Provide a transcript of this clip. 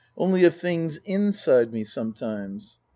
Only of things inside me sometimes."